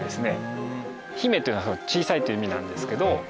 ヒメというのは「小さい」という意味なんですけど。